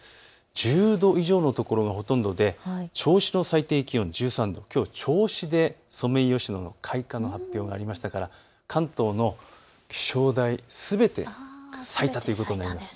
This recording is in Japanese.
１０度以上の所がほとんどで銚子の最低気温１３度、きょう銚子でソメイヨシノの開花の発表がありましたから関東の気象台すべて咲いたということになります。